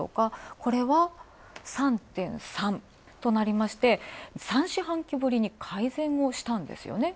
これは、３．３となりまして、３四半期ぶりに改善をしたんですよね。